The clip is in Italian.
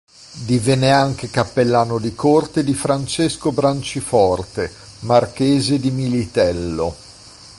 Divenne anche cappellano di corte di Francesco Branciforte, marchese di Militello.